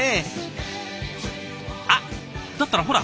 あっだったらほら